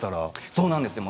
そうなんですよ。